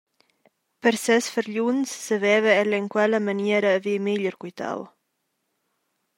Per ses fargliuns saveva el en quella maniera haver meglier quitau.